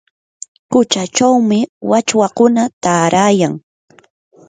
quchachawmi wachwakuna taarayan.